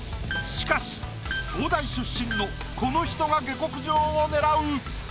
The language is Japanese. しかし東大出身のこの人が下克上を狙う！